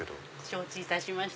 承知いたしました。